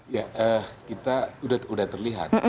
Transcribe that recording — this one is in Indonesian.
ya kita sudah terlihat